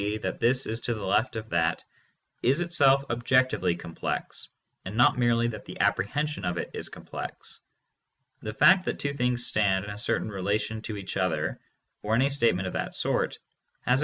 that this is to the left of that — is itself objectively complex, and not merely that the apprehension of it is complex. The fact that two things stand in a certain rela tion to each other, or any statement of that sort, has a 520 THE MONIST.